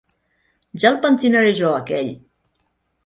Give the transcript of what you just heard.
Ja el pentinaré jo, aquell!